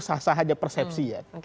sah sah aja persepsi ya